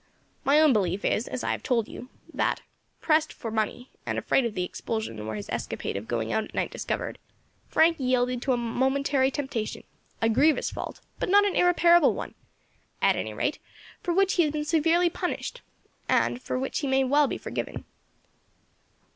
My own belief is, as I have told you, that, pressed for money, and afraid of expulsion were his escapade of going out at night discovered, Frank yielded to a momentary temptation a grievous fault, but not an irreparable one one, at any rate, for which he has been severely punished, and for which he may well be forgiven.